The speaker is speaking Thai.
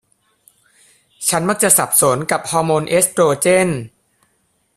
ฉันมักจะสับสนกับฮอร์โมนเอสโตรเจน